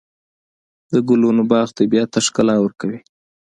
د ګلونو باغ طبیعت ته ښکلا ورکوي.